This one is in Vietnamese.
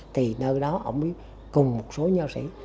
thì nơi đó ông mới cùng một số nhân sĩ